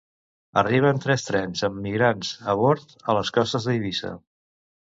Arriben tres trens amb migrants a bord a les costes d'Eivissa.